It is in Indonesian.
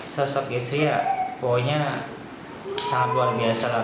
sosok istri ya pokoknya sangat luar biasa lah